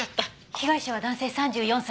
被害者は男性３４歳。